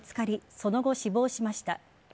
その後、死亡しました。